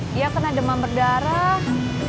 dia kena demam berdarah